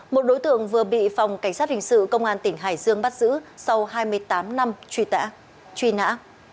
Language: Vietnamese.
một đối tượng vừa bị phòng cảnh sát hình sự công an tỉnh hải dương bắt giữ sau hai mươi tám năm truy nã